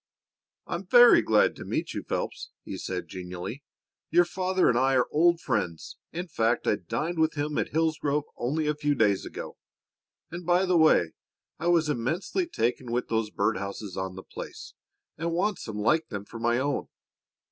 "I'm very glad to meet you, Phelps," he said genially. "Your father and I are old friends. In fact, I dined with him at Hillsgrove only a few days ago. And by the way, I was immensely taken with those bird houses on the place and want some like them for my own.